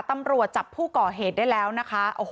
ตำรวจจับผู้ก่อเหตุได้แล้วนะคะ